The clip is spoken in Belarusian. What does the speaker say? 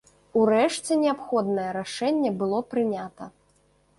Урэшце неабходнае рашэнне было прынята.